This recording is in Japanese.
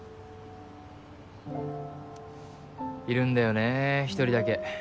いるんだよね１人だけ。